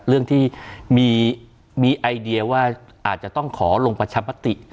เรื่องที่มีไอเดียว่าอาจจะต้องขอลงประชามติ